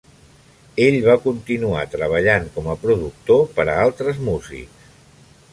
Ell va continuar treballant com a productor per a altres músics.